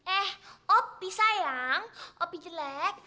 eh opi sayang opi jelek